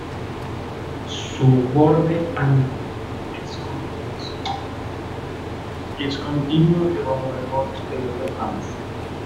Su "borde anterior" es convexo y es continuo debajo del borde anterior del ramus.